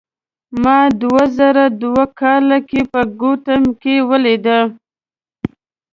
ما دوه زره دوه کال کې په کوټه کې ولید.